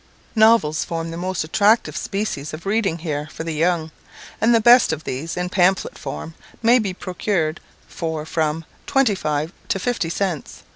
Novels form the most attractive species of reading here for the young; and the best of these, in pamphlet form, may be procured for from twenty five to fifty cents.